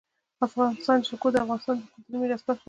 د افغانستان جلکو د افغانستان د کلتوري میراث برخه ده.